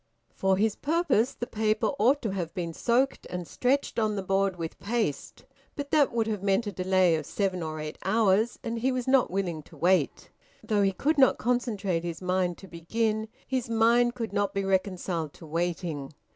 For his purpose the paper ought to have been soaked and stretched on the board with paste, but that would have meant a delay of seven or eight hours, and he was not willing to wait. Though he could not concentrate his mind to begin, his mind could not be reconciled to waiting.